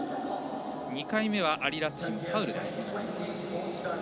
２回目はアリ・ラチンファウルです。